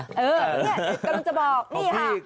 นี่กำลังจะบอกนี่ค่ะ